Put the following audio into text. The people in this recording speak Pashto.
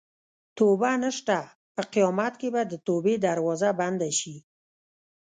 توبه نشته په قیامت کې به د توبې دروازه بنده شي.